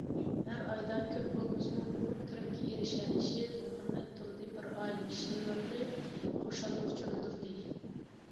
ھەر ئايدا كۆپ بولمىسىمۇ مۇقىم كىرىمگە ئېرىشەلىشى مۇھەممەد تۇردى بىر ئائىلە كىشىلىرىنى خۇشاللىققا چۆمدۈردى.